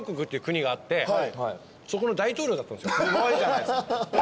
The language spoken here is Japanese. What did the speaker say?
すごいじゃないですか。